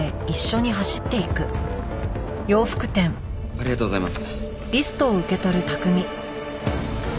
ありがとうございます。